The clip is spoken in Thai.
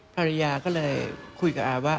ภรรยาก็เลยคุยกับอาว่า